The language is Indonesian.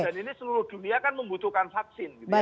dan ini seluruh dunia kan membutuhkan vaksin